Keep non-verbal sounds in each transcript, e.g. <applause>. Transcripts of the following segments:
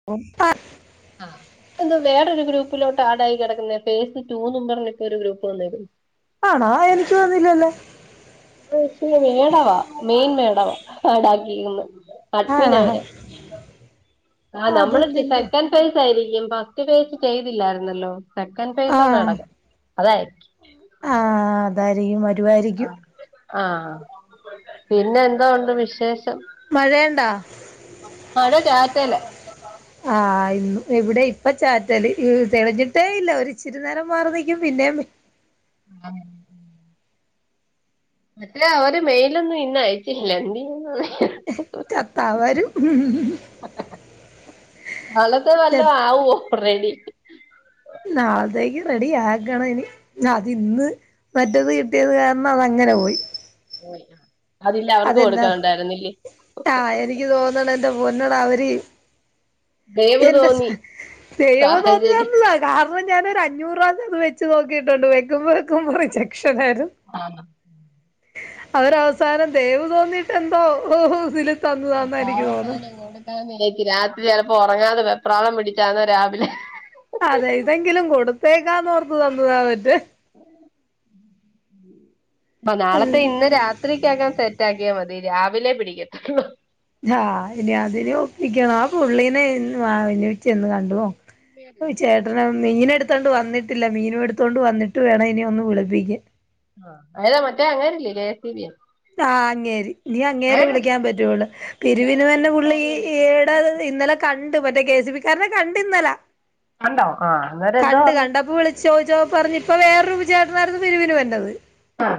<inaudible> ആ തെന്താ വേറൊരു ഗ്രൂപ്പിലോട്ട് ആഡയി കിടക്കുന്ന, ഫേസ് ടൂ ന്ന് പറഞ്ഞിട്ടോരു ഗ്രൂപ്പ് വന്നെക്കുന്നു. ആണാ? എനിക്ക് വന്നില്ലല്ലോ. അ <unintelligible> മേടവാ മെയിൻ മേടവാ ആടാക്കിക്ക്ന്ന്. അഡ്മീൻ ആണോ അവരെ ആഹ നമ്മള്- അതെന്തിന്റെ സെക്കാൻ. <unintelligible> ആയിരിക്കും ഫസ്റ്റ് സെയ്‌സ്സ്- ചെയ്തില്ലായിരുന്നല്ലോ? സെക്കൻഡ് സെയ്‌സ്സ് ആഹ് നടക്കും അതായിരിക്കും.. ഇത്‌ അതെ മാതിരി. ആഹ പിന്നെ എന്ത് ഉണ്ട് വിശേഷം? മഴാണ്ടാ? മഴ ചാറ്റല്. <inaudible> ആഹ് ഇന്ന് ഇവിടെ ഇപ്പ ചാറ്റല്- തെളഞ്ഞിട്ടേ ഇല്ല. ഒരുച്ചിരി നേരം മാറി നിക്കും പിന്നെ- ആഹ. മറ്റേ അവര് വെയിലൊന്നും ഇന്ന് അയിട്ടില്ലാ എന്ത് ചെയ്യ. ചത്താ വരും <unintelligible> വല്ല ച ആവോ? റെഡി നാളത്തേക്ക് റെഡി ആകണം ഇനി അതി ഇന്ന് മറ്റെത് കിട്ടിയത് കാരണം അത് അങ്ങനെ പോയി അതില്ല അവർക്ക് അതെന്നാ കൊടുക്കാൻണ്ടായിരുന്നില്ലേ? ആഹ് എനിക്ക് തോന്ന്ണ് എന്റെ പൊന്നട അവര് ദയവ് <unintelligible> തോന്നി സാഹചര്യം കാരണം ഞാനൊരു അഞ്ഞൂറാന്റെ ത് വെച്ച് നോക്കിയിട്ടുണ്ട് വെക്കുമ്പോയ്ക്കും റിജെക്ഷനായിര് <unintelligible> അവരവസാനം ദയവ് തോന്നിയിട്ടെന്തോ ഓ തിൽ ഓ തന്നാതാന്ന എനിക്ക് തോന്ന് പാവത്താന് രാത്രി ചിലപ്പോ ഉറങ്ങാതെ വെപ്രാളം പിടിച്ചാന്നോ രാവിലെ അതെ ഇതെങ്കിലും കൊടുത്തേക്കാന്ന് ഓർത്ത് തന്നതാ മറ്റേ അപ്പെ നാളത്തെ ഇന്ന് രാത്രിക്കകം സെറ്റക്കിയാൽ മതി രാവിലെ പിടിക്ക ഹാ ഇനി അതിനെ ഒപ്പിക്കണം ആഹ് പുള്ളീനെ ചെന്ന് കണ്ടുനോ ചേ കരാണം മീൻ എടുത്തുകോണ്ട് വന്നിട്ടില്ല മീനും എടുത്തുകൊണ്ട് വന്നിട്ട് വേണം ഇനി ഒന്ന് വിളിപ്പിക്കൻ <unintelligible> മറ്റേ അങ്ങേര്ല്ലേ കെ സി ബി ആഹ് കേറി. ഇനി അങ്ങേരെ ഏത് വിളിക്കാൻ പറ്റുവുള്ളു പിരിവിന് ഇയാള് വരണ പുള്ളി വിളിച്ചാലും ഈടെ എടുക്കത്തില്ലേ ഇന്നലെ കണ്ട് മറ്റെ കെ സി ബി കാരെനെ കണ്ട് ഇന്നലെ ഉണ്ടോ ആഹ് അന്നേരം എന്തോ കണ്ട് പറഞ്ഞു കണ്ടെപ്പോൾ വിളി ചോയ്ചപ്പോ പറഞ്ഞു ഇപ്പൊ വേറൊരു ചെട്ടാനയിര്ന്നു പിരിവിന് വരുന്നത് ആഹ..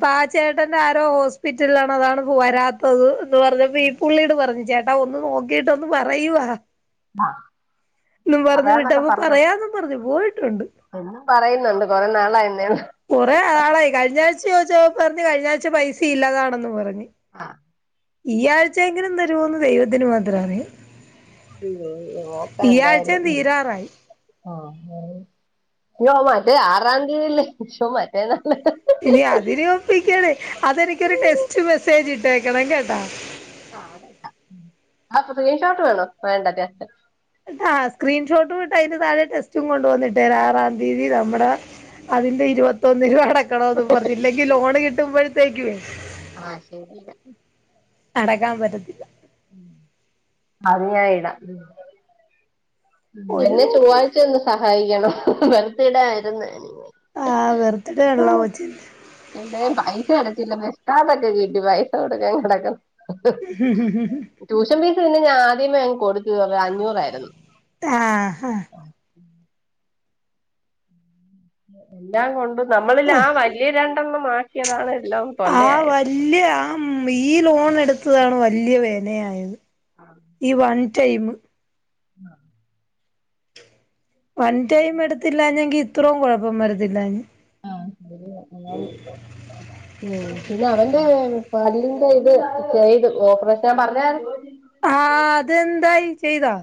പാച്ചിട്ട ചേട്ടന്റെ ആരോ ഹോസ്പിറ്റലില ആണ് അതാണ് വരാത്തത് എന്ന് പറഞ്ഞപ്പോ ഈ പുള്ളീട് പറഞ്ഞു ചേ ട്ടാ ഒന്ന് നോക്കിട്ടൊന്ന് പറയവാ ആഹ് എന്നും പറഞ്ഞു പറയാന്നൊക്കെ വിട്ടപ്പൊ പറഞ്ഞോ പറയാ പറഞ്ഞു പോയിട്ടുണ്ട് പറയുന്നുണ്ട് കൊറേ നാളെ ആയന്നേ കുറേ നാള്ളയി കഴഞ്ഞാഴച ചോദിച്ചാ പറഞ്ഞഞ് കഴിഞ്ഞ ആഴ്ച പൈസ ഇല്ലാതാണെന്ന് പറഞ്ഞു ആഹ് ഈ ആഴ്ച എങ്കിലും തരുമോന്ന് ദൈവത്തിന് മാത്ര അറിയാം <unintelligible> നോക്കാ ഈ എന്തായാലും ആഴ്ചയും ഉം തീരാറായി ആഹ് <unintelligible> മാറ്റേ ആറാം തീയതില്ലേ <unintelligible> മാറ്റേ <unintelligible> ഇനി അതിന് ഒപ്പിക്കണ് അതെനിക്കൊരു ടെക്സ്റ്റ് മെസ്സേജ് ഇട്ടേക്കണം കേട്ടാ അത് സ്ത്രീൻഷോട്ട് വേണോ വേണ്ട ജസ്റ്റ് ആഹ് സ്ക്രീൻഷോട്ട് വിട്ട് അതിന് താഴെ ടെസ്റ്റും കൊണ്ട് വിട്ടേ ആറാം തീയതി നമ്മടെ അതിന്റെ ഇരുപത്തൊന്ന് രൂപ അടക്കണോന്ന് പറഞ്ഞില്ലെങ്കി ലോണ് കിട്ടുമ്പഴ്ത്തേക്കേ അടക്കാൻ പറ്റത്തില്ല <inaudible> അത് ഞായിടാം ഒരു എന്നെ ലോഡ് പോലും ചൊവ്വാഴ്ച ഒന്ന് സഹായിക്കണം ബർത്തിടെ വരുന്നെ ആഹ് ബർത്തിടെ ആണല്ലോ കൊച്ചിന്റെ എന്റെ പൈസ അടച്ചില്ല മഷ്ടാതൊക്കെ കിട്ടി പൈസ കൊടുക്കാൻ കിടക്കുന്നു ഹ ഹ ഹ ട്യൂഷൻ ഫീസ് പിന്നെ ഞാൻ ആദ്യ കൊടുത്തു അഞ്ഞൂറായിരുന്നു ആഹ് ഹ എല്ലാം കൊണ്ടും നമ്മളിൽ ആ ആഹ് വല്യ രണ്ടെണ്ണം മറ്റിയതാണ് എല്ലാം തൊല്ലെ ഇല്യ. ഉം ഈ ലോൺ എടുത്തതാണ് വല്യ വേനയായത് ആ ഈ വൺ ടൈം ആഹ വൺ ടൈം എടുത്തില്ലഞ്ഞെങ്കി ഇത്രയും കുഴപ്പം വരത്തില്ലാഞ്ഞു അഹ് <unintelligible> ഉം പിന്നെവന്റെ പല്ലിന്റെ ഇത് ചെയ്തു ഓപ്പറശൻ ഞൻ പറഞ്ഞാരുന്നു ആഹ് അതെന്തായി ചെയ്താ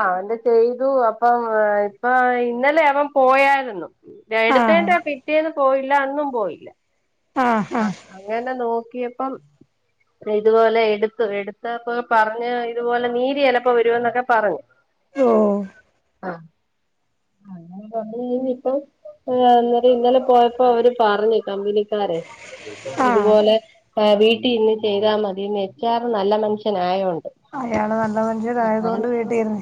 ആഹ് എന്താ ചെയ്തു അപ്പം ഇപ്പ ഇന്നലെ അവൻ പോയായിരുന്നു ആഹ് എടുത്തേന്റെ പിറ്റേന്ന് പോയില്ല അന്നും പോയില്ല ആഹ് ആഹ് അങ്ങനെ നോക്കിയപ്പം ഇതുപോലെ എടുത്തു എടുത്തപ്പൊ പറഞ്ഞഞ് ഇതുപോലെ നീരി ചലപ്പോ വരുമന്നൊക്കെ പറഞ്ഞു ഓഹ് ആഹ് അങ്ങെ പറഞ്ഞ ഇപ്പ അന്നേരം ഇന്നലെ പോയപ്പോ അവര് പറഞ്ഞു കമ്പനകാരൻ ആഹ് അതുപോലെ വീട്ടിൽ ഇന്ന് ചെയ്താ മതി എച്ചാറും നല്ല മനുഷ്യനായോണ്ട് അയാള് നല്ല മനുഷ്യരായത് കൊണ്ട് വീട്ടിന്ന്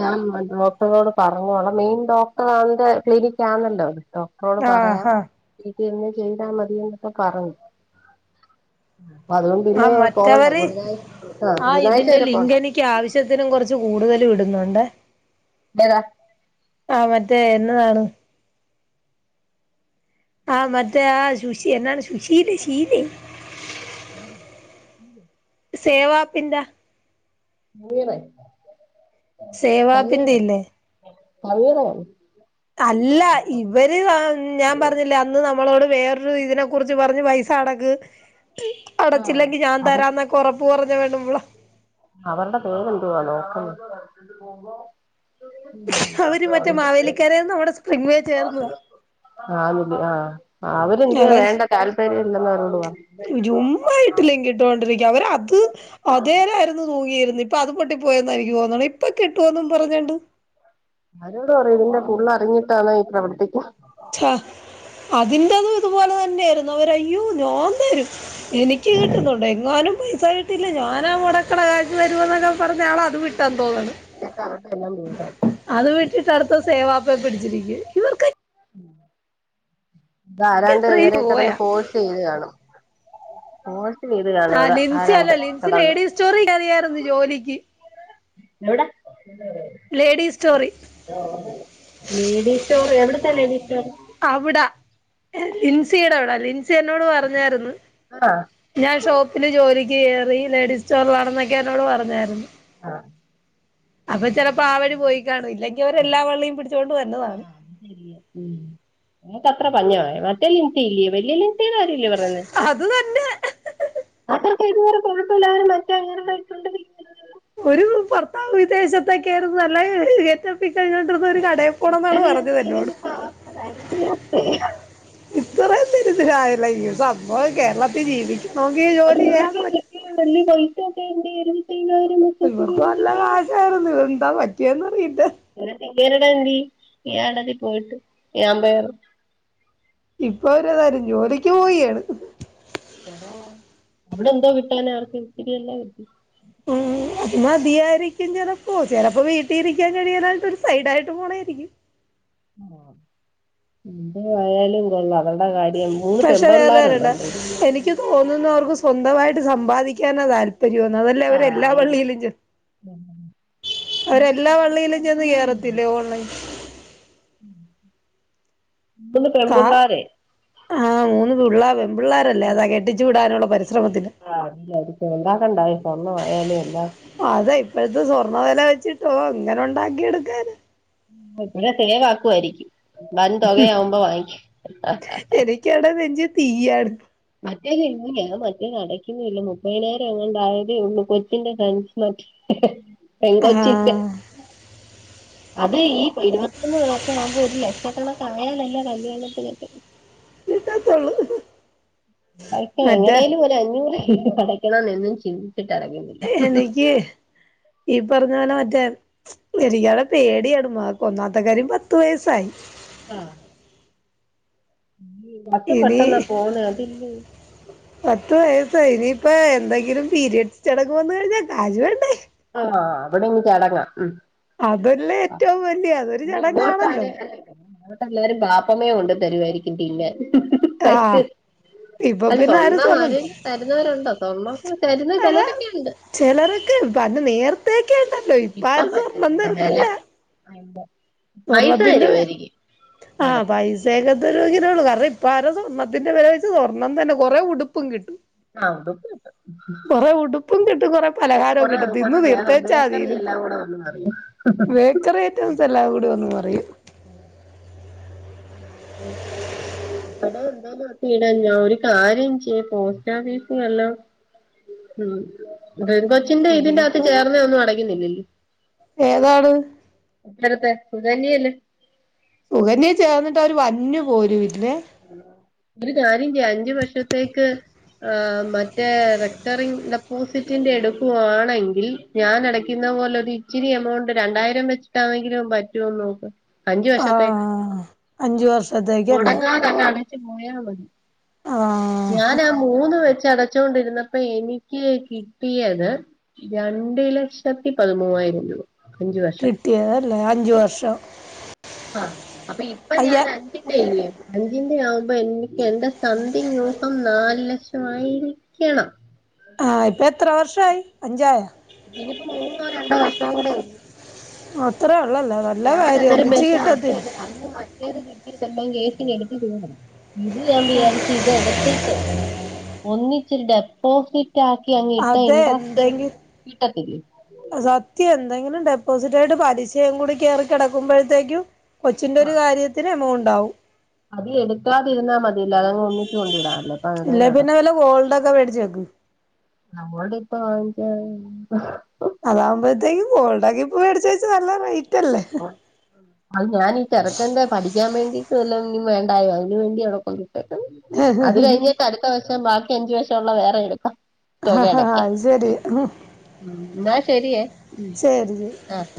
ഞാൻ ഡോക്ടറോട് പറഞ്ഞോളാം മെയിൻ ഡോക്ടർ ആന്റെ ക്ലിനിക്ക ആണല്ലോ ഡോക്ടർ ഡോക്ടർ പറയാം ആഹാ ആ വീട്ട ഇന്ന് ചെയ്താ മതി എന്നൊക്കെ പറഞ്ഞു അപ്പൊ അതുകൊണ്ട് ആ പിന്നെ പോകണ്ട മറ്റവര് ബുധനാഴ്ച ആ ബുധനാഴ്ച വരെ പോണ്ട എനിക്കാവശ്യത്തിനും കുറച്ച് കൂടുതൽ ഇടുന്നുണ്ട് ഏതാ ആഹ് മറ്റേ എന്നതാണ് ആഹ് മ ആഹ് സുഷിയ നന്ന സു ശീല ശീല്ലേ <inaudible> സേവാ പിന്റ സേവാപ്പിന്റെ ഇല്ലേ <inaudible> അല്ല ഇവര് ഞാൻ പറഞ്ഞില്ലേ ന്ന് നമ്മളോട് വേറൊരു ഇതിനെ കുറിച്ച് പറഞ് പൈസ അടക്ക് ആഹ് അടച്ചില്ലെങ്കിൽ ഞാൻ അവർ തരാന്ന ഉറപ്പ് പറഞ്ഞ പെണ്ണുംപിള്ള അവരുടെ പേരെന്തുവാ നോക്ക അവര് മറ്റേ മാവേലിക്കാരേന്ന് നമ്മടെ സ്പ്രിംഗ വേ ചേർന്ന ആ ആഹ് അവര്ന്ന്ത് അവര് വേണ്ട താല്പര്യം ഇല്ലെന്ന ഒരോട് പോ ായിട്ട് ലഘിട്ടൊണ്ടിരിക്കുക അവര് അത് അതേനായിരുന്നു തൂങ്ങിയിരുന്നു ഇപ്പ അത് പൊട്ടി പോയന്ന് എനിക്ക് പോകന്നാണ് ഇപ്പൊ കിട്ടുവന്നും പറഞ്ഞണ്ട് ആരോട് പറ ഇതിന്റെ ഫുള്ള അറിഞ്ഞിട്ടണ ഈ പ്രവർത്തിക്ക ഛ അതിന്റതും ഇതുപോലെ തന്നെയായിരുന്നു അവരയ്യോ ഞാന്നരും എനിക്ക് കിട്ടുന്നുണ്ട് എങ്ങാനും പൈസ കിട്ടില്ല ഞാനാ മുടക്കട കാശു തരുമ എന്നൊക്കെ പറഞ്ഞയാള അത് വിട്ടാന്ന് തോന്നണ് അവർക്കെല്ലാം വീടായി അത് വീട്ടിട്ട അടുത്ത സേവാപ്പ പിടിച്ചിരിക്കും ഇവ അതരാാണ്ട് എത്രയും ഇവരെ കടന്ന് രൂപയാ ഫോഴ്സ് ചെയ്ത് കാണും ഫോഴ്സ് ചെയ്ത് കാണും അതാ ആരാണ്ട് കടന്ന് ചെറി കറിയായിരുന്നു ജോലിക്ക് എവിടാ ലേഡീസ് സ്റ്റോറി ലേഡി സ്റ്റോർ എവിടത്താ ലേഡീ സ്റ്റോർ അവിടാ ലിൻസിയുടെ അവിടാ ലിൻസി എന്നോട് പറഞ്ഞരുന്നു ആഹ് ഞാൻ ഷോപ്പില് ജോലിക്ക് കയറി ലേഡീസ് സ്റ്റോറിലാണെന്നൊക്കെ എന്നോട് പറഞ്ഞായിരുന്നു ആഹ് അപ്പൊ ചിലപ്പോ ആ വഴി പോയിക്കാണും ഇല്ലെങ്കി അവരെല്ലാ വെള്ളിയും പിടിച്ചോണ്ട് വരണതാണ് അത്ര പഞ്ഞവയോ മറ്റേ ലിൻസി ഇല്ലയോ വലിയ ലിൻസിടെ കാര്യം അല്ലിയോ അത് തന്നെ അത ചെയ്തു കൊഴപ്പില്ലരും മറ്റങ്ങ <unintelligible> ഒരു ഭർത്താവ് വിദേശത്തൊക്കെയായിരുന്നു നല്ല ഗെറ്റപ്പിക്കഴിഞ്ഞൊണ്ടിരുന്ന ഒരു കട <unintelligible> ഇത്രയും ദുരിദ്രായില്ല സംഭവം കേരളത്തിൽ ജീവിക്കണക്കി ജോലി ചെയ്യാതെ പറ്റി ല്ല കയ്യ് പൈസൊക്കെ എ ന്തയ്യരും ഇവർക്ക് നല്ല കാശായിരുന്നു ഇത്‌ ന്താ പറ്റിയേന്ന് അറിയില്ല <unintelligible> കിരണ് എന്തീ ഏടതി പോയിട്ട് ഏഴാമ്പറ് ഇപ്പ അവര്തറിഞ്ഞു ജോലിക്ക് പോയിയാണ് ശ്ശെടാ അവിടെ എന്തോ കിട്ടാനാ ആർക്ക്ത്തിരില്ലാത് ഇത് നമ്പ് ഉം അത് മതിയായിരിക്കും ചിലപ്പോ ചിലപ്പോ വീട്ടിരിക്കാൻ കഴിയാനായിട്ട് ഒരു സൈഡ് ആായിട്ട് പോണായിരിക്കും ഉം എന്ത് ആയാലും കൊള്ളാം അവൾടെ കാര്യ പക്ഷെ വേറെ കാര്യണ്ട് എനിക്ക് തോന്നുന്നെ അവർക്ക് സ്വന്തമായിട്ട് സമ്പാദിക്കാനാ താൽ പര്യംയോന്ന് അതല്ലേ അവര് എല്ലാ വള്ളിയിലും ചെ ഉ അവരെല്ലാ വള്ളിയിലും ചെന്ന് കേറത്തില്ലയോഓൺലൈൻ ബള് കാ പെൺപിള്ളാരെ ആഹ് മൂന്ന് പിള്ളേര് പെൺപിള്ളേരല്ലേ അതാ കെട്ടിച്ചു വിടാനുള്ള പരിശ്രമത്തിന് ആ ന്റെട്ത്ത് എന്താപ്പാണ്ടായെ സ്വർണ ആയാലും എല്ലാ അതാ ഇപ്പോഴത്തെ സ്വർണ്ണ വില വെച്ചിട്ടോ ഓ എങ്ങനെ ഉണ്ടാക്കി എടുക്കാനാ ഇബടെ സേവ് ആക്കുവായിരിക്കും വൻ തുകയാവുമ്പോ വാങ്ങിക്കും ക്കാടെ നെഞ്ചിൽ തീയ്യാണ് മറ്റേത് ഇന്ന് ഞാൻ മറ്റേ അടക്കുന്നില്ല മുപ്പതിനായിരം ആങ്ങണ്ടെ ആയതേ ഉള്ളൂ കൊച്ചിന്റെ ഫ്രണ്ട്സ് പെൺകൊച്ചിന്റെ ആഹ് അത് ഈ ഇരുപത്തൊന്ന് വയസ്സാവുമ്പോ ഒരു ലക്ഷക്കണക്കാങ്ങ നയല്ലെ കല്യാണത്തിനൊക്കെ <unintelligible> പൈസ മറ്റേ എങ്ങനേലും ഒരഞ്ഞൂറ് അടയ്ക്കണം എന്നേര്ന്നു ചിന്തിച്ചിട്ടറങ്ങിയത് എനിക്ക് ഈ പറഞ്ഞ പോലെ മറ്റേ എനിക്കാളെ പേടിയാണ് മ ഒന്നാമത്തെ കാര്യം പത്ത് വയസ്സായി. ആ <unintelligible> ത്ര ഇനി പെട്ടെന്നാ പോണെ അതില്ലേ പത്ത് വയസ്സായി ഇനിയിപ്പോ എന്തെങ്കിലും പീരയഡ്സ് ചടങ്ങു വെന്ന് കഴിഞ്ഞാൽ കാശ് വേണ്ടേ ആ അത് പിന്നെ ചടങ്ങാ ഉം അതല്ലേ ആഹ് ഏറ്റവും വലിയ അതൊരു ചടങ്ങാണല്ലോ ഇനിങ്ങോട്ടാര് <unintelligible> ല്ലാരും വാപ്പമ്മ കൊണ്ട് തരുവായിരിക്കും തിന്നാൻ ആഹ് <unintelligible> ഇപ്പൊ അല്ല പിന്നെ ആരും സ്വർണ്ണം സ്വർണം ആരെ തരുന്നവരുണ്ടോ സ്വർണ്ണം തരുന്ന ആഹ് ചിലരെക്കെയുണ്ട് ചിലരൊക്കെ ഇപ്പ അന്ന് നേരത്തേക്കെ ഉണ്ടല്ലോ ഇപ്പാരും സ്വർണം തരത്തില്ല ആ എന്താ സ്വർണത്തിന്റെ വെ ആഹ് ചിലപ്പോ പൈ സക്കെ നോക്കി തരൊള്ളൂ കാരണം ഇപ്പം ആരും സ്വർണ്ണത്തിൻ്റെ വില വെച്ച് സ്വർണം തന്നെ കുറേ ഉടുപ്പും കിട്ടും ആ അതൊക്കെ കൊറെ ഉടുപ്പും കിട്ടും കൊറെ പലഹാരം ആ, കിട്ടും തിന്ന് തീർത്തേച്ചാതിയിരുന്നു വേ ക്കറി ഐറ്റംസ് എല്ലാം കൂടി ഒന്ന് പറയും ആ ഉ അപ്പടെ എന്തോ <unintelligible> ഞാൻ ഒരു കാര്യം ചെയ്യാ പോസ്റ്റാഫീസ്ന്നെല്ലാം ഉം പെൺ ഉം കൊച്ചിന്റെ ഇതിന്റെ അകത്ത് ഇനിയിപ്പോ ചേർന്ന ഒന്നും അടങ്ങുന്നിലല്ലേ ഏതാണ് അപ്പുറത്തെ സുകന്യയേല്ല് സുകന്യ ചേർന്നിട്ട് അവര് വര്ഞ്ഞു പോലുംല്ലേ ഒര് കാര്യം ചെയ്യാ അഞ്ചു വർഷത്തേക്ക് ആ മറ്റേ റെക്കറിംഗ് ഡെപ്പോസിറ്റിന്റെ എടുക്കുവാണെങ്കിൽ ഞാൻ അടയ്ക്കുന്ന പോലെ ഒരു ഇച്ചിരി എമൗണ്ട് രണ്ടായിരം വെച്ചിട്ടാണെങ്കിലും പറ്റുവോ നോക്ക് അഞ്ചു വർഷത്തേക്ക് ആഹ് അഞ്ചു വർഷത്തേക്കല്ലേ അപ്പ തന്നെ അടച്ച് പോയാ മതി ഞാൻ ആഹ് ആ മൂന്ന് വെച്ച് അടച്ചൊണ്ടിരുന്ന ഇപ്പൊ എനിക്ക് കിട്ടിയത് രണ്ട് ലക്ഷത്തി പതിമൂവായിരം രൂപ അഞ്ചു വർഷം കിട്ടിയതല്ലേ അഞ്ച് വർഷം ആഹ് അപ്പൊ ഇപ്പ അയ്യ ഞാൻ അഞ്ചിൻ്റെ ല്യോ അഞ്ചിന്റെ ആവുമ്പോ എനിക്ക് എന്റെ സംതിങ്ങ് ഊഹം നാലു ലക്ഷമായിരിക്കണം ആഹ് ഇപ്പൊ എത്ര വർഷായി അഞ്ചായോ ഇനിയിപ്പോ മൂന്നോ രണ്ടോ വർഷം കൂടി ഉള്ളു അത്രേ ഒള്ളല്ലോ നല്ല ഞാൻ കാര്യം അന്നേരം ഒന്നിച്ച് വെച്ച് അത് കിട്ടത്തില്ലേ മറ്റേത് കിട്ടിയാതന്നെ സൈറ്റ് എടുത്ത് തീർന്നു ഇത് ഞാൻ വിചാരിച്ചു ഇത് എടുത്തിട്ടേ ഒന്നിച്ചു ഒരു ഡെപ്പോസിറ്റ് റ്റാക്കി അങ്ങിട്ടാ അതെ ഇൻഡ്രസ്‌റ്റ് എന്തെങ്കി കിട്ടത്തില്ലെ സത്യം എന്തെങ്കിലും ഡെപ്പോസിറ്റായിട്ട് പലിശയും കൂടി കയറി കിടക്കുമ്പോഴത്തേക്കും കൊച്ചിന്റെ ഒരു കാര്യത്തിന് എമൗണ്ടാവും അത് എടുക്കാതിരുന്നാ മതീല്ലോ അതങ്ങ് ഒന്നിച്ചു കൊണ്ടിടാല്ലോ അപ്പൊ അതേ നടക്കു ടൊക്കെ വേടിച്ച് വെക്ക് നമ്മോടിപ്പ വാങ്ങിക്കാൻ <unintelligible> ആകുമ്പോഴത്തേക്ക് ഗോൾഡാക്കി മേടിച്ച് വെച്ചാ നല്ല റെയിറ്റല്ലേ അത് ഞാനീ ചെറുക്കൻ്റെ പഠിക്കാൻ വേണ്ടീട്ട് വല്ലോം വേണ്ടായോ അതിന് വേണ്ടിയവിടെ കൊണ്ട് അത് കഴിഞ്ഞിട്ട് അടുത്ത വർഷം ബാക്കി അഞ്ച് വർഷം ഉള്ളത് വേറെ എടുക്കാം തുക ആ അടക്കാം അത് ശരി എന്നാ ശെരിയേ ശരി ശരി ആഹ്